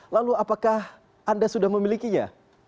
lalu apakah anda sudah memilikinya